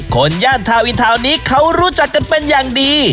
คนย่านทาวินทาวน์นี้เขารู้จักกันเป็นอย่างดี